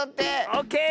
オッケー！